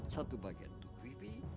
satu bagian untuk wb